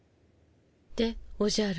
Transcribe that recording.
でおじゃる。